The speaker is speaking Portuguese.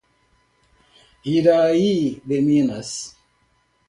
Iraí de Minas